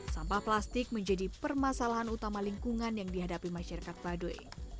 sampah plastik menjadi permasalahan utama lingkungan yang dihadapi masyarakat baduy